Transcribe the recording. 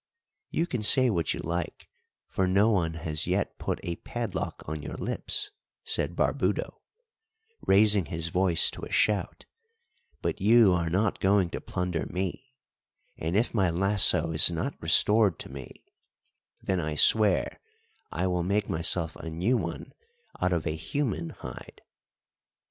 "You can say what you like, for no one has yet put a padlock on your lips," said Barbudo, raising his voice to a shout; "but you are not going to plunder me; and if my lasso is not restored to me, then I swear I will make myself a new one out of a human hide."